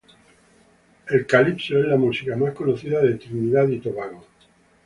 El Calipso es la música más conocida de Trinidad y Tobago.